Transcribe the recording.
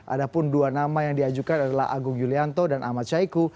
ada pun dua nama yang diajukan adalah agung yulianto dan ahmad syaiqu